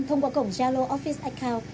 thông qua cổng gia lô office account